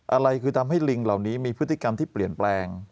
อะไรคือทำให้ลิงเหล่านี้มีพฤติกรรมที่เปลี่ยนแปลง